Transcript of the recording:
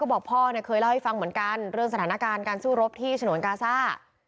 บอกพ่อเนี่ยเคยเล่าให้ฟังเหมือนกันเรื่องสถานการณ์การสู้รบที่ฉนวนกาซ่า